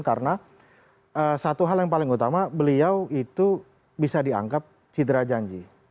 karena satu hal yang paling utama beliau itu bisa dianggap sidra janji